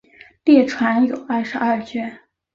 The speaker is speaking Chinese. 列传有二十二卷。